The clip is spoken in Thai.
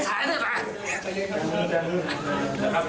เฮ้ยเฮ้ยเฮ้ย